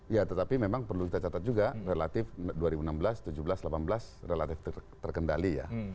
ya tetapi memang perlu kita catat juga relatif dua ribu enam belas dua ribu tujuh belas dua ribu delapan belas relatif terkendali ya